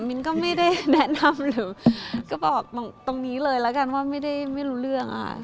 มิ้นก็ไม่ได้แนะนำหรือก็บอกตรงนี้เลยแล้วกันว่าไม่ได้ไม่รู้เรื่องค่ะ